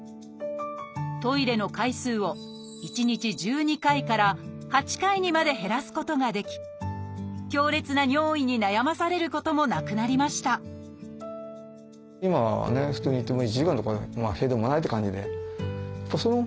トイレの回数を１日１２回から８回にまで減らすことができ強烈な尿意に悩まされることもなくなりました解放されてます。